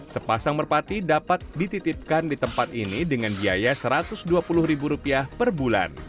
sepasang merpati dapat dititipkan di tempat ini dengan biaya rp satu ratus dua puluh ribu rupiah per bulan